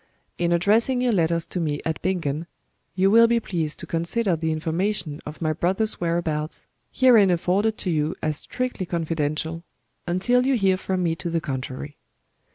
In addressing your letters to me at Bingen, you will be pleased to consider the information of my brother's whereabouts herein afforded to you as strictly confidential, until you hear from me to the contrary.